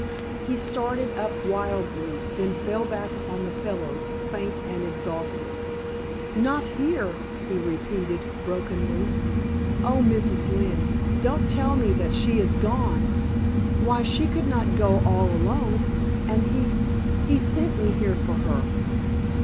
He started up wildly; then fell back upon the pillows, faint and exhausted. "Not here?" he repeated, brokenly. "Oh, Mrs. Lynne! don't tell me that she is gone! Why, she could not go all alone; and he he sent me here for her."